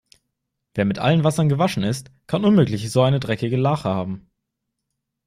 Wer mit allen Wassern gewaschen ist, kann unmöglich so eine dreckige Lache haben.